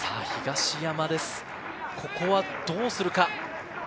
ここはどうするか？